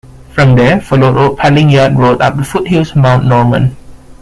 From there follow Old Paling Yard Road up the foot hills of Mount Norman.